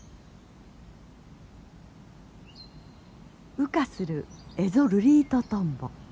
羽化するエゾルリイトトンボ。